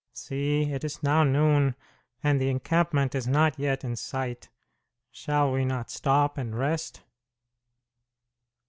"See, it is now noon, and the encampment is not yet in sight. Shall we not stop and rest?"